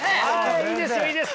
いいですよいいです。